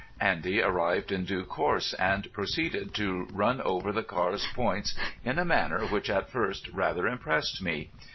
Andy arrived in due course, and proceeded to run over the car's points in a manner which at first rather impressed me.